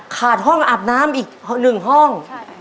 ขาดห้องอาบน้ำอีกหนึ่งห้อง